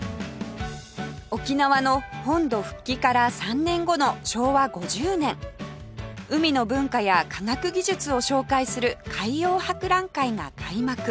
沖縄の本土復帰から３年後の昭和５０年海の文化や科学技術を紹介する海洋博覧会が開幕